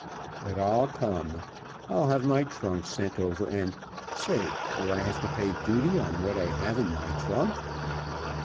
But I'll come. I'll have my trunk sent over and Say, do I have to pay duty on what I have in my trunk?"